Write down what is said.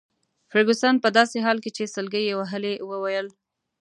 فرګوسن په داسي حال کي چي سلګۍ يې وهلې وویل.